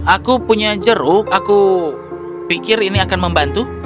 aku punya jeruk aku pikir ini akan membantu